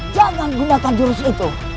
jangan gunakan jurus itu